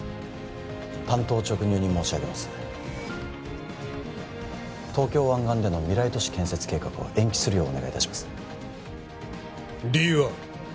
単刀直入に申し上げます東京湾岸での未来都市建設計画を延期するようお願いいたします理由は？